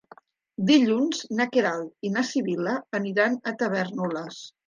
Dilluns na Queralt i na Sibil·la aniran a Tavèrnoles.